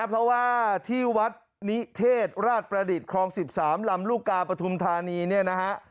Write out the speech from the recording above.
เพราะว่าที่วัดนิเทศราชประดิษฐ์ครอง๑๓ลำลูกกาปฐุมธานีเนี่ยนะฮะ